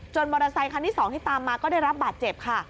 มอเตอร์ไซคันที่๒ที่ตามมาก็ได้รับบาดเจ็บค่ะ